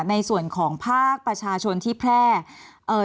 ในส่วนของภาคประชาชนที่แพร่เอ่อ